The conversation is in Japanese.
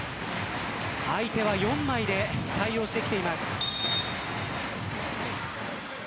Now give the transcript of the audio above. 相手は４枚で対応してきています。